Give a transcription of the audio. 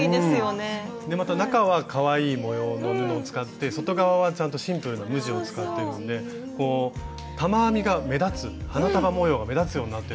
また中はかわいい模様の布を使って外側はちゃんとシンプルな無地を使ってるんで玉編みが目立つ花束模様が目立つようになってるんですね。